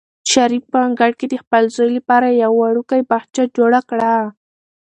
شریف په انګړ کې د خپل زوی لپاره یو وړوکی باغچه جوړه کړه.